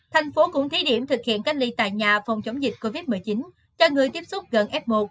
thành phố cũng thí điểm thực hiện cách ly tại nhà phòng chống dịch covid một mươi chín cho người tiếp xúc gần f một